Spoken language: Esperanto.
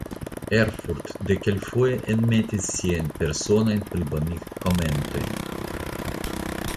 Erfurdt tie kelkloke enmetis siajn personajn plibonigkomentojn.